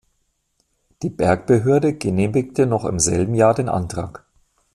Die Bergbehörde genehmigte noch im selben Jahr den Antrag.